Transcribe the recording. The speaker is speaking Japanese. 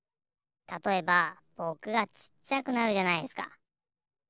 たとえばぼくがちっちゃくなるじゃないっすか。